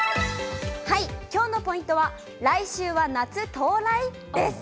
きょうのポイントは、来週は夏到来？です。